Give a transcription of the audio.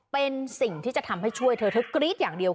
เป็นสิ่งที่จะทำให้ช่วยเธอเธอกรี๊ดอย่างเดียว